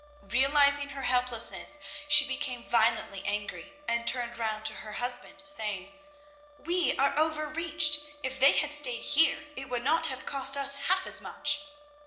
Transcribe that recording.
Realising her helplessness, she became violently angry and turned round to her husband, saying, "We are over reached. If they had stayed here, it would not have cost us half as much."